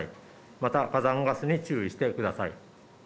また火山ガスに注意してください。